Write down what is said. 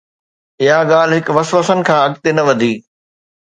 اھا ڳالھھ ھڪ وسوسن کان اڳتي نه وڌي